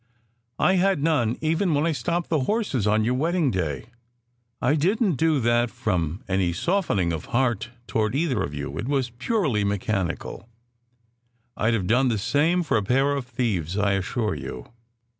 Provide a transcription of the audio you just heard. I had none, even when I stopped the horses on your wedding day. I didn t do that from any softening of heart toward either of you. It was purely mechanical. I d have done the same for a pair of thieves, I assure you.